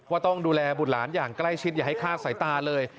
ว่าต้องดูแลบุราณอย่างใกล้ชิดอย่าให้ฆ่าสายตาเลย